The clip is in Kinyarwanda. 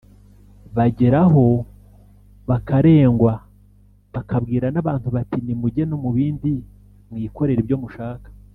bagera aho bakarengwa bakabwira n'abantu bati ni mujye no mu bindi mwikorere ibyo mushaka